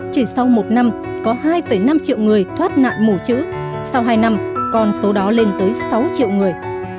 chỉ sau một năm có hai năm triệu người thoát nạn mù chữ sau hai năm con số đó lên tới sáu triệu người